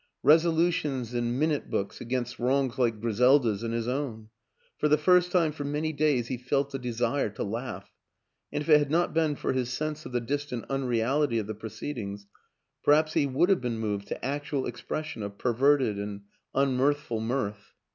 Resolutions in minute books against wrongs like Griselda's and his own ! For the first time for many days he felt a desire to laugh, and, if it had not been for his sense of the distant unreality of the proceedings, perhaps he would have been moved to actual expression of perverted and unmirthful mirth.